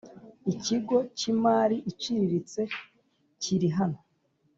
ikigo cy imari iciriritse cyirrihano